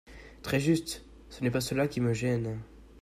Très juste ! Ce n’est pas cela qui me gêne.